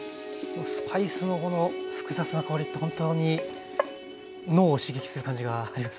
スパイスのこの複雑な香りって本当に脳を刺激する感じがありますね。